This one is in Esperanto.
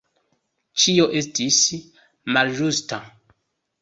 Ĉio estis malĝusta.